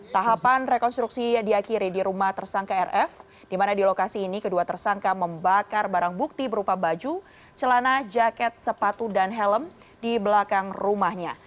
tahapan rekonstruksi diakhiri di rumah tersangka rf di mana di lokasi ini kedua tersangka membakar barang bukti berupa baju celana jaket sepatu dan helm di belakang rumahnya